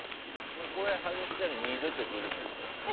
これ外したら二度とグルメって言わない。